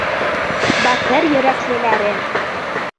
Батыр йөрәклеләрем!